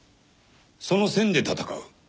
その線で闘う。